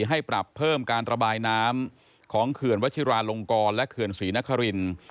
ให้ปรับเพิ่มการระบายน้ำของเขื่อนวัชิราลงกรและเขื่อนศรีนคริน